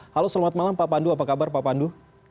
halo selamat malam pak pandu apa kabar pak pandu